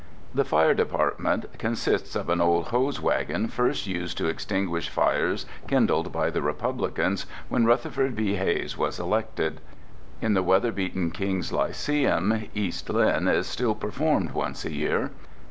The Fire Department consists of an old hose wagon first used to extinguish fires kindled by the Republicans when Rutherford B. Hayes was elected. In the weather beaten Kings Lyceum "East Lynne" is still performed once a year.